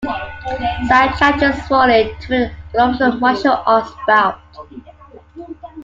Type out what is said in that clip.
Zack challenges Foley to an unofficial martial arts bout.